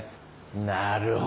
なるほど。